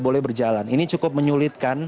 boleh berjalan ini cukup menyulitkan